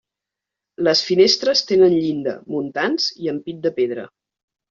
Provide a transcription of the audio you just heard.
Les finestres tenen llinda, muntants i ampit de pedra.